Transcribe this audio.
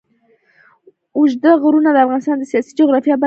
اوږده غرونه د افغانستان د سیاسي جغرافیه برخه ده.